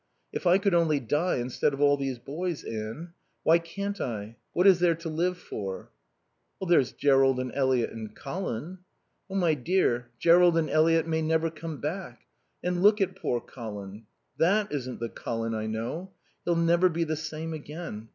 If I could only die instead of all these boys, Anne. Why can't I? What is there to live for?" "There's Jerrold and Eliot and Colin." "Oh, my dear, Jerrold and Eliot may never come back. And look at poor Colin. That isn't the Colin I know. He'll never be the same again.